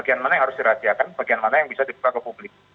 bagian mana yang harus dirahasiakan bagian mana yang bisa dibuka ke publik